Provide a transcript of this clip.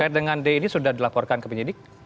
terkait dengan d ini sudah dilaporkan ke penyidik